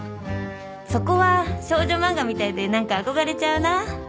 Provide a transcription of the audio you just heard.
そこは少女漫画みたいで何か憧れちゃうな。